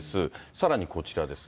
さらにこちらですが。